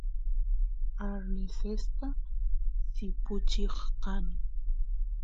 arnesesta sipuchichkani